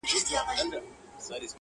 د دولت وزير وو.